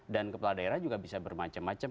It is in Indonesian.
dan kepala daerah juga bisa bermacam macam